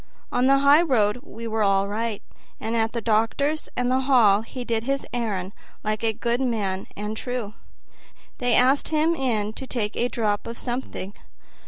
On the highroad we were all right; and at the doctor's and the hall he did his errand like a good man and true. They asked him in to take a drop of something.